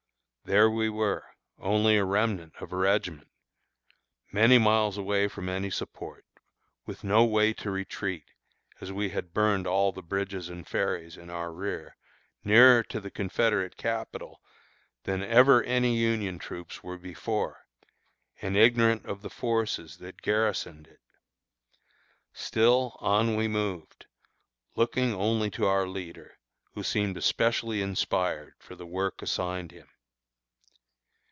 There we were, only a remnant of a regiment, many miles away from any support, with no way to retreat, as we had burned all the bridges and ferries in our rear, nearer to the Confederate capital than ever any Union troops were before, and ignorant of the forces that garrisoned it. Still on we moved, looking only to our leader, who seemed especially inspired for the work assigned him.